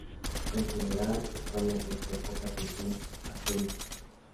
En general, España prestó poca atención a Corisco.